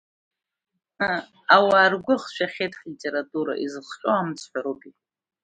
Ауаа ргәы ахшәахьеит ҳлитература, изыхҟьо амцҳәароуп, – иҳәеит.